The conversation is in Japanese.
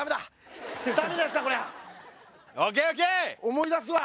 思い出すわ。